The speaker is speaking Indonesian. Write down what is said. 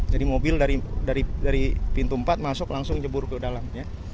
jadi mobil dari pintu empat masuk langsung jebur ke dalam